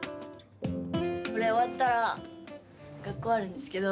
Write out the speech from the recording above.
「これ終わったら学校あるんですけど」